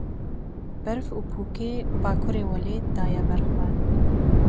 Berf û pûkê bakurê welêt daye ber xwe.